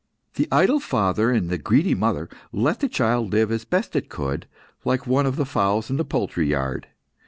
The idle father and the greedy mother let the child live as best it could, like one of the fowls in the poultry yard.